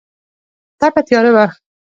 تپه تیاره وه.